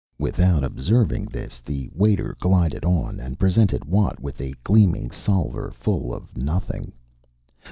Without observing this the waiter glided on and presented Watt with a gleaming salver full of nothing.